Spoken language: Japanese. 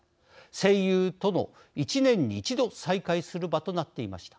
戦友との一年に一度再会する場となっていました。